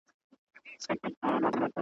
پولادي قوي منګول تېره مشوکه ,